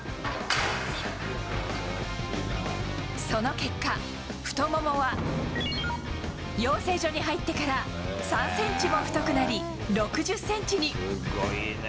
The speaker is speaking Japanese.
その結果、太ももは養成所に入ってから３センチも太くなり、６０センチに。